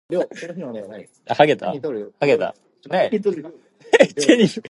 His relative and namesake, Achille C. Varzi, is Professor of Philosophy at Columbia University.